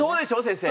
先生。